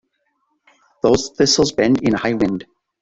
Those thistles bend in a high wind.